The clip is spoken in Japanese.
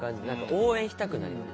応援したくなります。